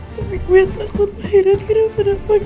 tapi gue takut pangeran kira kira pada pagi